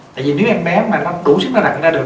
tại vì nếu em bé mà nó đủ sức nó đặt ra được